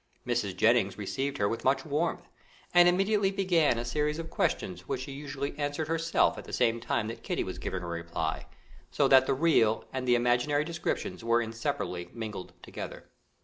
Mrs. Jennings received her with much warmth, and immediately began a series of questions which she usually answered herself at the same time that Kitty was giving a reply, so that the real and the imaginary descriptions were inseparably mingled together.